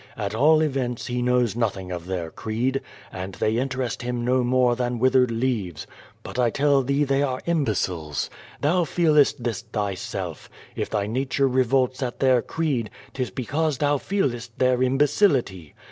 At all events he knows nothing of their creed, and they interest him no more than withered leaves. But I tell thee they are imbeciles. Thou feelest this thyself. If thy nature revolts at their creed, 'tis because thou feelest their imbecility.